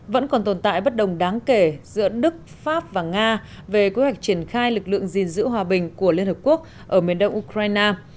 vẫn còn tồn tại bất đồng đáng kể giữa đức pháp và nga về kế hoạch triển khai lực lượng gìn giữ hòa bình của liên hợp quốc ở miền đông ukraine